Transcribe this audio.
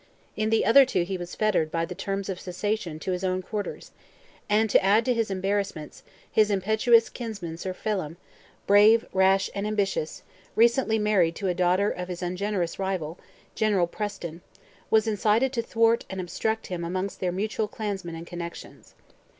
In the other two he was fettered by the terms of "cessation" to his own quarters; and to add to his embarrassments, his impetuous kinsman Sir Phelim, brave, rash, and ambitious, recently married to a daughter of his ungenerous rival, General Preston, was incited to thwart and obstruct him amongst their mutual clansmen and connections.